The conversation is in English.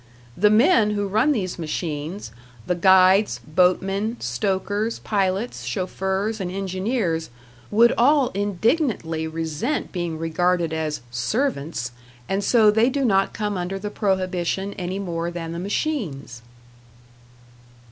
The men who run these machines the guides, boatmen, stokers, pilots, chauffeurs, and engineers would all indignantly resent being regarded as "servants", and so they do not come under the prohibition any more than the machines.